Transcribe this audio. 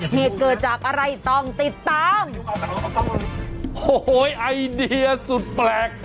เหตุเกิดจากอะไรต้องติดตามโอ้โหไอเดียสุดแปลก